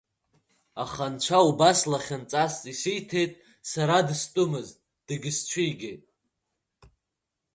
Аха Анцәа убас лахьынҵас ииҭеит, сара дыстәымызт, дагьсцәигеит.